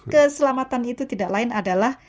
keselamatan itu tidak lain adalah